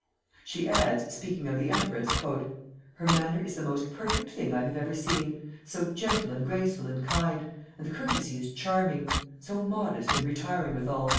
She adds, speaking of the empress: "Her manner is the most perfect thing I have ever seen, so gentle and graceful and kind, and the courtesy is charming, so modest and retiring withal."